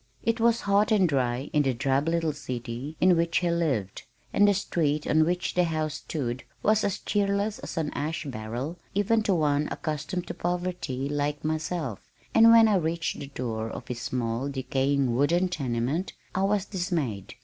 It was hot and dry in the drab little city in which he lived, and the street on which the house stood was as cheerless as an ash barrel, even to one accustomed to poverty, like myself, and when I reached the door of his small, decaying wooden tenement, I was dismayed.